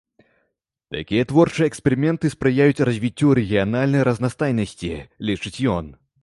Такія творчыя эксперыменты спрыяюць развіццю рэгіянальнай разнастайнасці, лічыць ён.